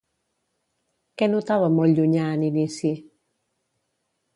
Què notava molt llunyà en inici?